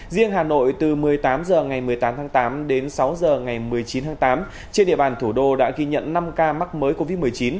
riêng hà nội từ một mươi tám h ngày một mươi tám tháng tám đến sáu h ngày một mươi chín tháng tám trên địa bàn thủ đô đã ghi nhận năm ca mắc mới covid một mươi chín